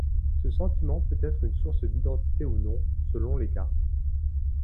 Ce sentiment peut être une source d'identité ou non, selon les cas.